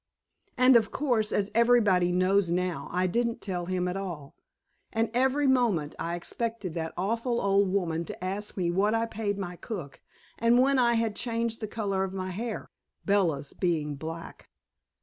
And, of course, as everybody knows now, I didn't tell him at all. And every moment I expected that awful old woman to ask me what I paid my cook, and when I had changed the color of my hair Bella's being black.